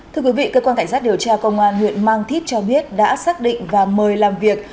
thưa quý vị cơ quan cảnh sát điều tra công an huyện mang thít cho biết đã xác định và mời làm việc